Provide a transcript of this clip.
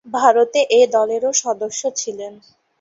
Bharat A দলেরও সদস্য ছিলেন।